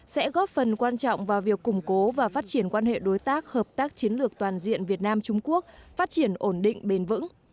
sẽ góp phần quan trọng vào việc củng cố và phát triển quan hệ đối tác hợp tác chiến lược toàn diện việt nam trung quốc phát triển ổn định bền vững